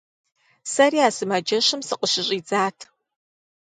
Сэри а сымаджэщым сыкъыщыщӏидзат.